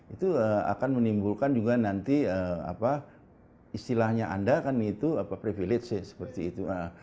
itu akan menimbulkan juga nanti istilahnya anda kan itu privilege seperti itu